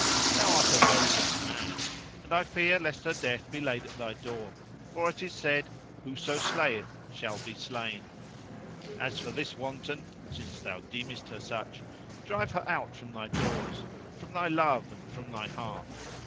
Thou art a very young man and I fear lest her death be laid at thy door; for it is said:—Whoso slayeth shall be slain. As for this wanton (since thou deemest her such) drive her out from thy doors, from thy love and from thy heart."